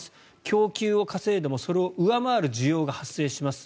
供給を稼いでもそれを上回る需要が発生します